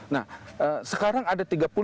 nah sekarang ada